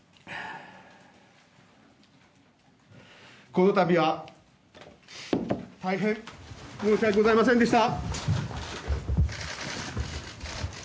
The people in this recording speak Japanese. この度は大変申し訳ございませんでした。